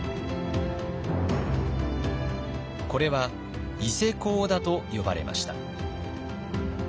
これは伊勢講田と呼ばれました。